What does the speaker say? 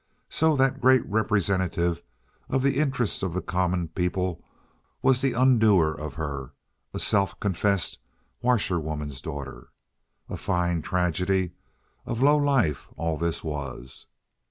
So that great representative of the interests of the common people was the undoer of her—a self confessed washerwoman's daughter. A fine tragedy of low life all this was.